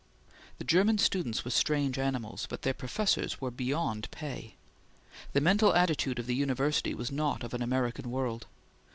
The German students were strange animals, but their professors were beyond pay. The mental attitude of the university was not of an American world.